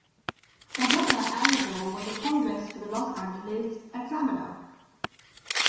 Her mother, Eleanore, was a columnist for the Los Angeles Examiner.